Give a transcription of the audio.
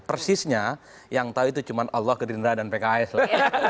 persisnya yang tahu itu cuma allah gerindra dan pks lah